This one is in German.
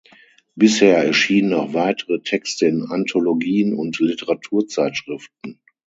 Bisher erschienen auch weitere Texte in Anthologien und Literaturzeitschriften.